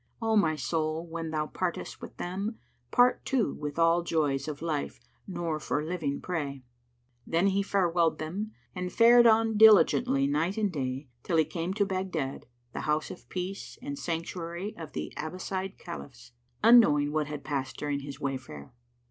O my soul when thou partest wi' them, part too * With all joys of life nor for living pray!" Then he farewelled them and fared on diligently night and day, till he came to Baghdad, the House of Peace and Sanctuary of the Abbaside Caliphs, unknowing what had passed during his wayfare.